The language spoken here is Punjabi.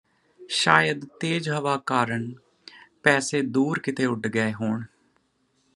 ਸ਼ਾਇਦ ਤੇਜ ਹਵਾ ਕਾਰਨ ਪੈਸੇ ਦੂਰ ਕਿਤੇ ਉਡ ਗਏ ਹੋਣ